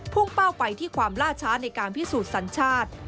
เป้าไปที่ความล่าช้าในการพิสูจน์สัญชาติ